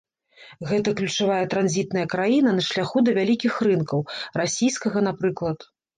Гэта ключавая транзітная краіна на шляху да вялікіх рынкаў, расійскага, напрыклад.